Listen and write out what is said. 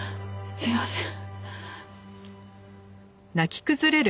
すみません。